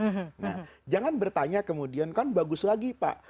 nah jangan bertanya kemudian kan bagus lagi pak